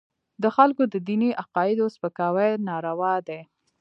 د خلکو د دیني عقایدو سپکاوي ناروا دی.